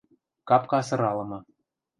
Капка сыралымы.